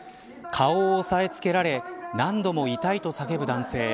顔を押さえ付けられ何度も痛いと叫ぶ男性